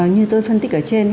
như tôi phân tích ở trên